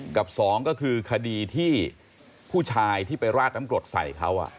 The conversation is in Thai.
สองก็คือคดีที่ผู้ชายที่ไปราดน้ำกรดใส่เขา